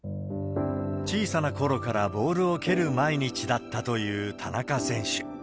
小さなころからボールを蹴る毎日だったという田中選手。